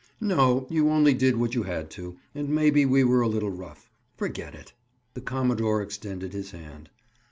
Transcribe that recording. "No; you only did what you had to, and maybe we were a little rough. Forget it." The commodore extended his hand.